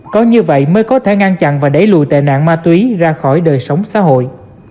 có như vậy mới có thể ngăn chặn và đẩy lùi tệ nạn ma túy ra khỏi đời sống xã hội